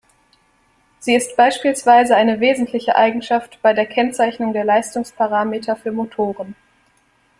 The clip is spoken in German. Sie ist beispielsweise eine wesentliche Eigenschaft bei der Kennzeichnung der Leistungsparameter für Motoren.